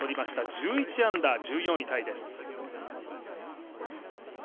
１１アンダー、１４位タイです。